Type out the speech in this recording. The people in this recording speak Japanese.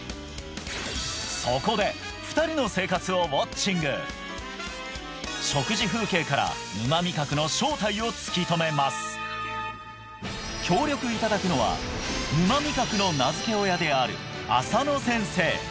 そこで食事風景から沼味覚の正体を突き止めます協力いただくのは沼味覚の名付け親である浅野先生